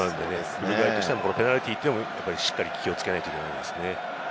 ウルグアイとしてはペナルティーをしっかり気をつけないといけないですね。